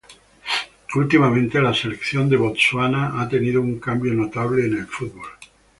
Últimamente, la selección de Botsuana ha tenido un cambio notable en el fútbol.